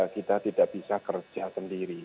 kita tidak bisa kerja sendiri